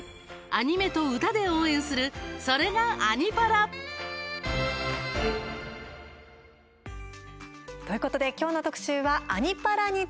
アニメと歌で応援するそれが「アニ×パラ」。ということで今日の特集は「アニ×パラ」に